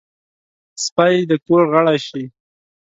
سپي د کور غړی شي.